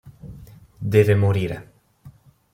Deve morire!